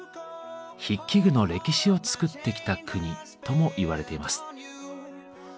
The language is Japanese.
筆記具の歴史を作ってきた国ともいわれています。